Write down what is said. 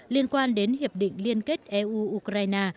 liên quan đến hiệp định liên kết eu ukraine